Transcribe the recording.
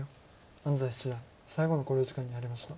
安斎七段最後の考慮時間に入りました。